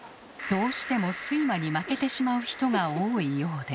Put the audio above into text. どうしても睡魔に負けてしまう人が多いようで。